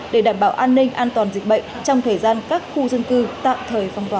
để đảm bảo an ninh an toàn dịch bệnh trong thời gian các khu dân cư tạm thời phong tỏa